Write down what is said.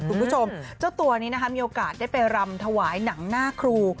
คุณผู้ชมเจ้าตัวนี้นะคะมีโอกาสได้ไปรำถวายหนังหน้าครู